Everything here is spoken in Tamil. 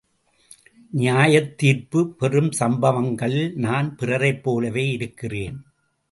நியாயத் தீர்ப்பு பெறும் சம்பவங்களில் நான் பிறரைப் போலவே இருக்கிறேன்.